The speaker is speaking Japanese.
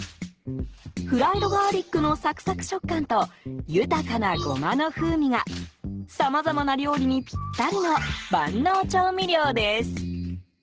フライドガーリックのサクサク食感と豊かなゴマの風味がさまざまな料理にぴったりの万能調味料です。